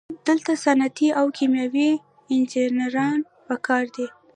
دلته صنعتي او کیمیاوي انجینران پکار دي.